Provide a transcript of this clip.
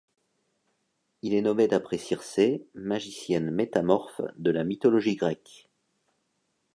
Il est nommé d'après Circé, magicienne métamorphe de la mythologie grecque.